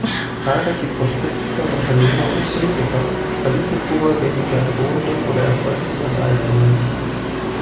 Zahlreiche Grundbesitzer, Unternehmer und Politiker verließen Kuba wegen der drohenden oder erfolgten Enteignungen.